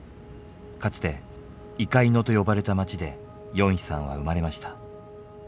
かつて猪飼野と呼ばれた町でヨンヒさんは生まれました。